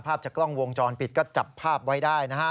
ภาพจากกล้องวงจรปิดก็จับภาพไว้ได้นะฮะ